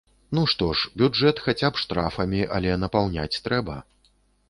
Ну што ж, бюджэт, хаця б штрафамі, але напаўняць трэба.